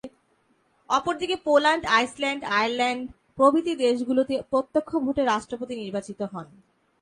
অপরদিকে Poland, Iceland, Ireland প্রভৃতি দেশগুলোতে প্রত্যক্ষ ভোটে রাষ্ট্রপতি নির্বাচিত হন।